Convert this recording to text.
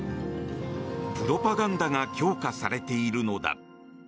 プロパガンダが強化されているのだ。